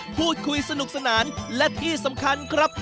พูดคุยสนุกสนานและที่สำคัญครับ